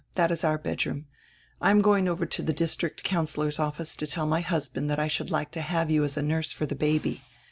That is our bedroom. I am going over to die district councillor's office to tell my husband that I should like to have you as a nurse for die baby.